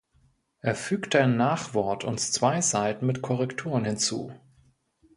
Er fügte ein Nachwort und zwei Seiten mit Korrekturen hinzu.